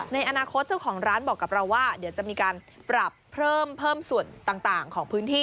ในอนาคตเจ้าของร้านบอกกับเราว่าเดี๋ยวจะมีการปรับเพิ่มส่วนต่างของพื้นที่